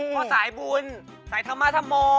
พ่อสายบุญสยธมธม